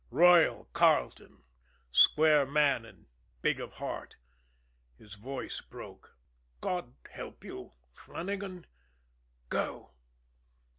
"Royal" Carleton, square man and big of heart, his voice broke. "God help you, Flannagan go."